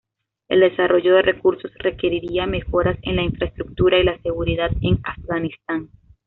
El desarrollo de recursos requeriría mejoras en la infraestructura y la seguridad en Afganistán.